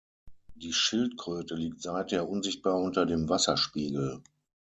Die Schildkröte liegt seither unsichtbar unter dem Wasserspiegel.